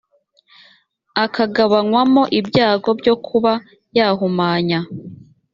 akagabanywamo ibyago byo kuba yahumanya